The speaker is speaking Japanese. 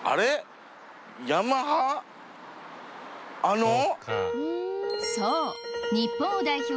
あの？